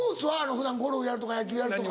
普段ゴルフやるとか野球やるとか。